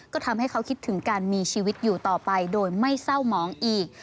ก็ทำให้เขาคิดถึงการมีชีวิตอยู่ต่อไปโดยไม่เศร้าหมองอีก